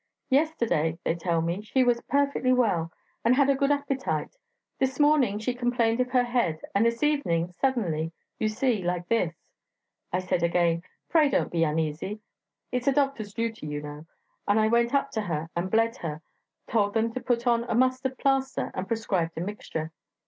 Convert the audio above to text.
'Yesterday,' they tell me, 'she was perfectly well and had a good appetite; this morning she complained of her head, and this evening, suddenly, you see, like this.' I say again: 'Pray don't be uneasy.' It's a doctor's duty, you know and I went up to her and bled her, told them to put on a mustard plaster, and prescribed a mixture.